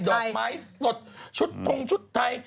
ดอกไม้สดชุดทงชุดไทย